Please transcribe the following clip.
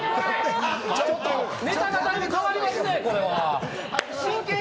ネタがだいぶ変わりますね、これは。